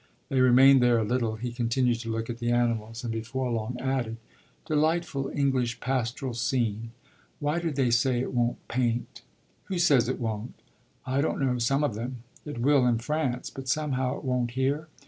They remained there a little; he continued to look at the animals and before long added: "Delightful English pastoral scene. Why do they say it won't paint?" "Who says it won't?" "I don't know some of them. It will in France; but somehow it won't here."